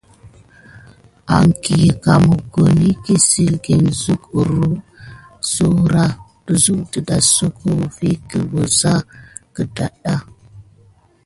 An kiyiga mokoni kisile suyé kam kurum sukié gudasoko vas na suke wusane didaha.